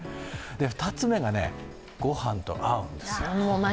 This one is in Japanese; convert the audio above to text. ２つ目が、ごはんと合うんですよ。